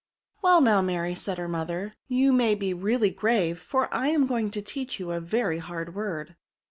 " "Well, now Mary," said her mother, " you may be really grave ; for I am going to teach you a very hard word.